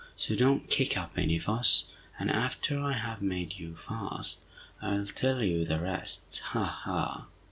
So don't kick up any fuss, and after I have made you fast, I'll tell you the rest. Ha, ha!"